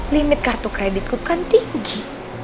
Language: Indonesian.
limit kartu kreditku kan tinggi